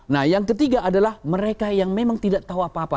nah yang ketiga adalah mereka yang memang tidak tahu apa apa